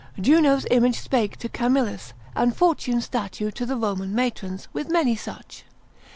Juno's image spake to Camillus, and Fortune's statue to the Roman matrons, with many such.